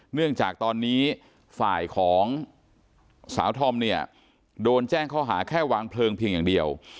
เนื่องจากตอนนี้ฝ่ายของสาวธอมเนี่ยโดนแจ้งข้อหาแค่วางเพลิงเพียงอย่างเดียว